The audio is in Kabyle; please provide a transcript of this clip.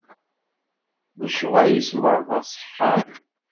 Lecɣal-is meṛṛa ṣeḥḥan.